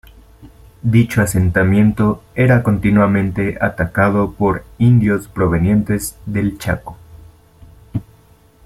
Dicho asentamiento era continuamente atacado por indios provenientes del Chaco.